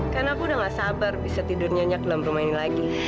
karena aku udah gak sabar bisa tidur nyenyak dalam rumah ini lagi